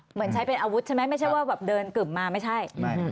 เหมือนใช้เป็นอาวุธใช่ไหมไม่ใช่ว่าแบบเดินกึ่มมาไม่ใช่